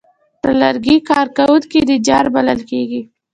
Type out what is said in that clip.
د لرګي کار کوونکي نجار بلل کېږي.